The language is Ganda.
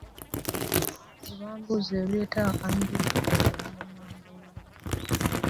Bwe bambuuza ebireeta akanyiriro ggwe oli mu nnamba emu.